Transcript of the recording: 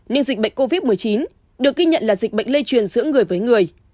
nên dịch bệnh covid một mươi chín được ghi nhận là dịch bệnh lây truyền giữa người với người